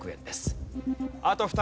あと２人。